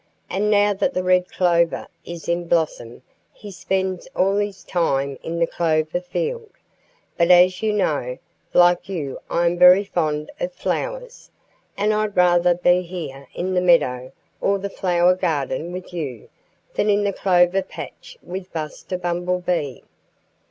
And now that the red clover is in blossom he spends all his time in the clover field. But as you know, like you I am very fond of flowers. And I'd far rather be here in the meadow or the flower garden with you, than in the clover patch with Buster Bumblebee."